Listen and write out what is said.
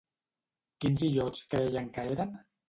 Quins illots creien que eren?